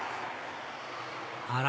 あら！